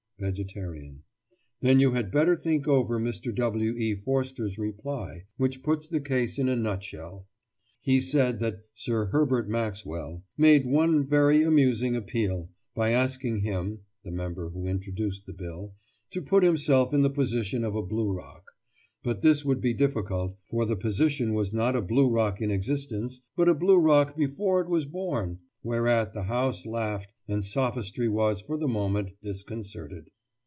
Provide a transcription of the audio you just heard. VEGETARIAN: Then you had better think over Mr. W. E. Forster's reply, which puts the case in a nut shell. He said that Sir Herbert Maxwell "made one very amusing appeal, by asking him [the member who introduced the Bill] to put himself in the position of a blue rock. But this would be difficult, for the position was not a blue rock in existence, but a blue rock before it was born." Whereat the House laughed, and sophistry was for the moment disconcerted.